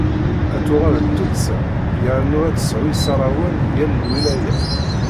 Ad tuɣal d tuddsa, yernu ad tesɛu isarrawen di yal lwilaya.